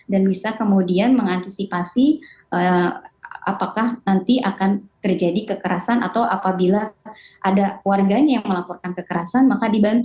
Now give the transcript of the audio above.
dan bisa kemudian mengantisipasi apakah nanti akan terjadi kekerasan atau apabila ada warganya yang melaporkan kekerasan maka dibantu